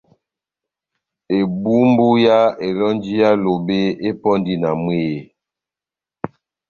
Ebumbu yá elɔnji yá Lobe epɔndi na mwehé.